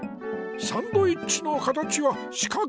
サンドイッチの形はしかく？